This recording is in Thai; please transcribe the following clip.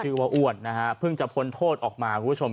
ว่าอ้วนนะฮะเพิ่งจะพ้นโทษออกมาคุณผู้ชม